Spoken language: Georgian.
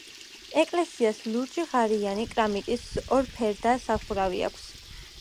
ეკლესიას ლურჯი ღარიანი კრამიტის ორფერდა სახურავი აქვს.